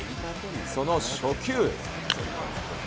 その初球。